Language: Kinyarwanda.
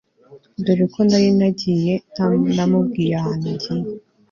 dore ko nari nagiye ntanamubwiye ahantu ngiye